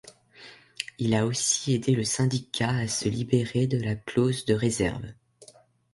Il a aussi aidé le syndicat à se libérer de la clause de réserve.